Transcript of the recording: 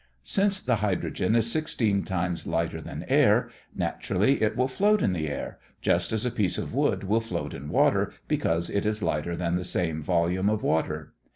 Since the hydrogen is sixteen times lighter than air, naturally it will float in the air, just as a piece of wood will float in water because it is lighter than the same volume of water.